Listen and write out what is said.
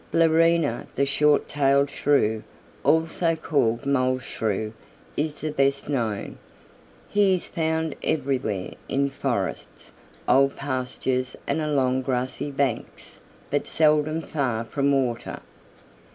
"Blarina the Short tailed Shrew, also called Mole Shrew, is the best known. He is found everywhere, in forests, old pastures and along grassy banks, but seldom far from water.